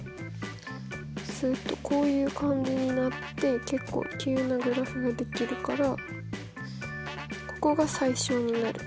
するとこういう感じになって結構急なグラフができるからここが最小になる。